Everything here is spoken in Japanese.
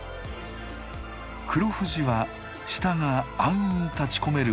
黒富士は下が暗雲立ちこめる